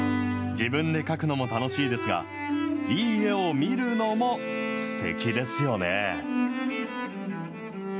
自分で描くのも楽しいですが、いい絵を見るのもすてきですよね。